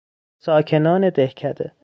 ساکنان دهکده